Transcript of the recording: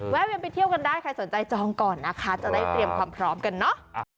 แวนไปเที่ยวกันได้ใครสนใจจองก่อนนะคะจะได้เตรียมความพร้อมกันเนอะ